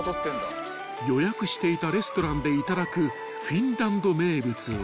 ［予約していたレストランで頂くフィンランド名物は］